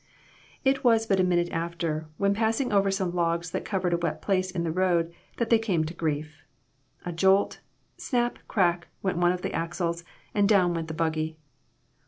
It was but a minute after, when passing over some logs that covered a wet place in the road, that they came to grief. A jolt ; snap, crack, went one of the axles, and down went the buggy.